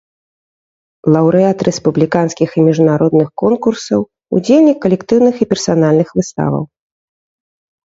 Лаўрэат рэспубліканскіх і міжнародных конкурсаў, удзельнік калектыўных і персанальных выставаў.